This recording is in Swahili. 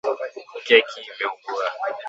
Keki imeungua